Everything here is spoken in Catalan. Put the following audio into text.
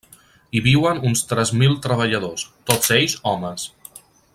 Hi viuen uns tres mil treballadors, tots ells homes.